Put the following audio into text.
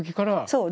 そう。